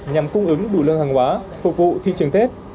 nhằm cung ứng đủ lượng hàng hóa phục vụ thị trường tết